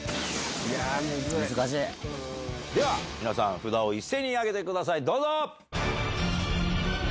皆さん札を一斉に挙げてくださいどうぞ！